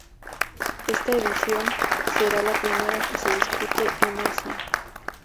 Esta edición será la primera que se dispute en Asia.